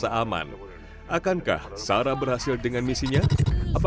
sebagai seorang pembunuhan sarah juga berhasil menemukan seorang siswa yang berpengalaman